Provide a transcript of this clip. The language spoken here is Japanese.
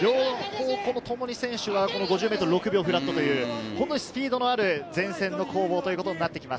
ともに５０ｍ６秒フラットというスピードのある前線の攻防ということになってきます。